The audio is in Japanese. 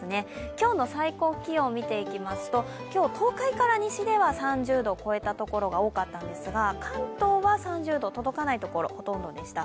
今日の最高気温を見ていきますと今日、東海から西では３０度超えたところが多かったんですが関東は３０度届かないところがほとんどでした。